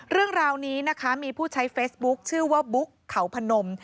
เรื่องราวนี้นะคะมีผู้ใช้เฟซบุ๊คชื่อว่าบุ๊กเขาพนม